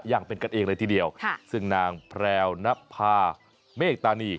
อย่างเป็นกันเองเลยทีเดียวซึ่งนางแพรวนภาเมฆตานี